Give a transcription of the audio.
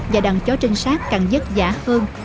và đàn chó trinh sát càng vất vả hơn